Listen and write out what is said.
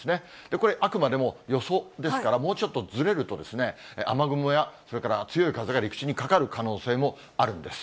これ、あくまでも予想ですから、もうちょっとずれるとですね、雨雲や、それから強い風が陸地にかかる可能性もあるんです。